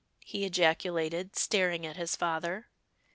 he ejaculated, staring at his father.